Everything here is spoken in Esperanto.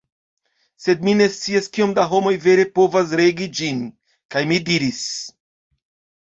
Sed mi ne scias kiom da homoj vere povas regi ĝin." kaj mi diris: